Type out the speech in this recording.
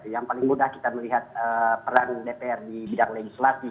yang paling mudah kita melihat peran dpr di bidang legislasi